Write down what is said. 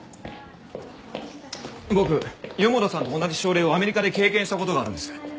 僕四方田さんと同じ症例をアメリカで経験した事があるんです。